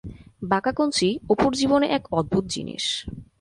বাঁকা-কঞ্চি অপুর জীবনে এক অদ্ভুত জিনিস!